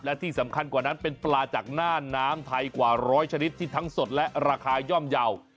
และที่สำคัญกว่านั้นเป็นปลาจากหน้าน้ำไทยกว่าร้อยชนิดที่ทั้งสดและราคาย่อมเยาว์